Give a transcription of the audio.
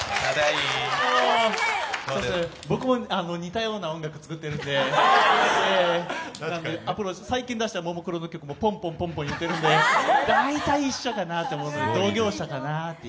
僕も似たような音楽作ってるんで最近出したももクロの曲もポンポンポンポン言ってるんで、大体一緒かなと思います、同業者かなって。